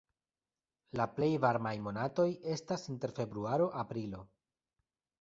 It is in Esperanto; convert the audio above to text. La plej varmaj monatoj estas inter februaro-aprilo.